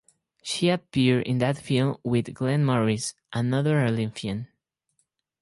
She appeared in that film with Glenn Morris, another Olympian.